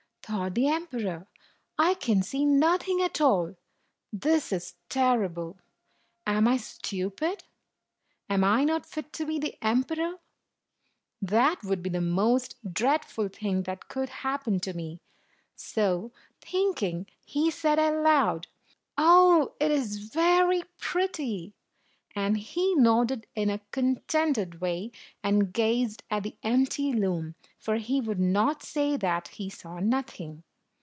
thought the emperor; "I can see nothing at all ! This is terrible ! Am I stupid? Am I not fit to be emperor? That would be the most dreadful thing that could happen to me." So thinking, he said aloud, "Oh, it is very pretty." And he nodded in a contented way, and gazed at the empty loom, for he would not say that he saw nothing.